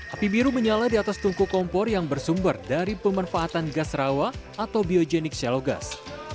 api biru menyala di atas tungku kompor yang bersumber dari pemanfaatan gas rawa atau biogenik shalow gas